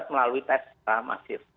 melalui tes masif